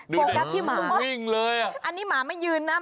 โก๊ค์ตั๊กที่หมาอิ๊เว่นอย่างนี้หมาไม่ยืนนะ